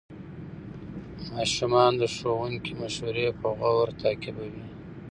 ماشومان د ښوونکي مشورې په غور تعقیبوي